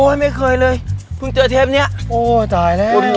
อะไรกินกินทุกคนวุ่นวายอย่างงี้เหรอ